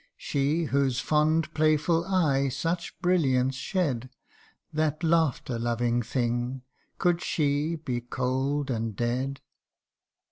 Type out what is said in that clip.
She, whose fond playful eye such brilliance shed, That laughter loving thing could she be cold and dead?